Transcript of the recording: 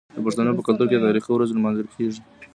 د پښتنو په کلتور کې د تاریخي ورځو لمانځل کیږي.